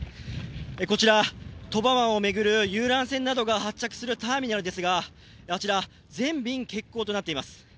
こちら鳥羽を巡る遊覧船などが発着するターミナルですがあちら全便欠航となっています。